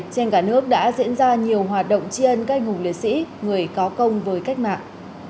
trên cả nước đã diễn ra nhiều hoạt động tri ân các anh hùng liệt sĩ người có công với cách mạng